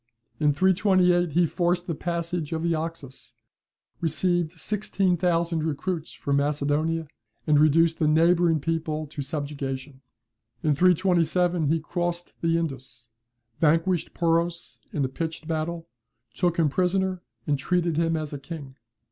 In 328, he forced the passage of the Oxus, received sixteen thousand recruits from Macedonia, and reduced the neighbouring people to subjection. In 327, he crossed the Indus, vanquished Poros in a pitched battle, took him prisoner, and treated him as a king.